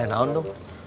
selamat tahun du